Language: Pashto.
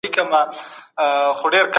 ستا له يـادونـو